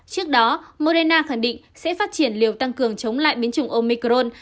trước đó morena khẳng định sẽ phát triển liều tăng cường chống lại biến chủng omicron